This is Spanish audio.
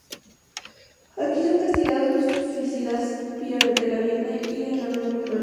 Aquí son castigados los suicidas: Pier della Vigna y un anónimo florentino.